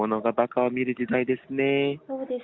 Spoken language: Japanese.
そうですね。